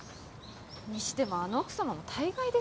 にしてもあの奥様も大概ですよ。